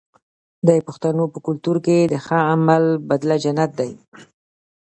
د پښتنو په کلتور کې د ښه عمل بدله جنت دی.